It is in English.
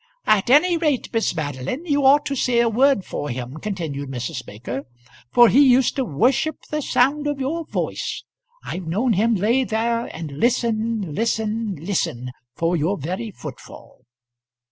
"At any rate, Miss Madeline, you ought to say a word for him," continued Mrs. Baker; "for he used to worship the sound of your voice. I've known him lay there and listen, listen, listen, for your very footfall."